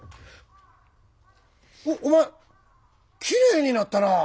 おお前きれいになったなあ！